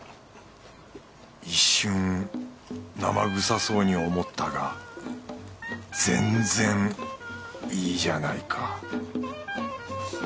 一瞬生臭そうに思ったが全然いいじゃないか